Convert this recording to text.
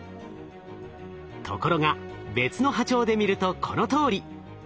ところが別の波長で見るとこのとおり。